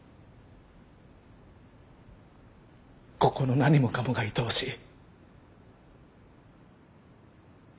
ここの何もかもが愛おしい。